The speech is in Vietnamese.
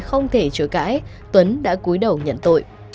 không thể chối cãi tuấn đã cuối đầu nhận tội